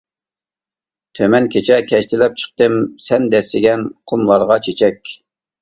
تۈمەن كېچە كەشتىلەپ چىقتىم، سەن دەسسىگەن قۇملارغا چېچەك.